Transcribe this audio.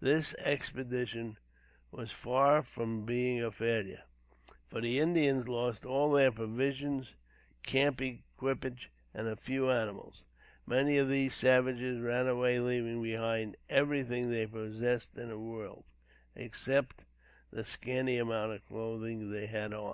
This expedition was far from being a failure, for the Indians lost all their provisions, camp equipage and a few animals. Many of these savages ran away leaving behind them everything they possessed in the world, except the scanty amount of clothing they had on.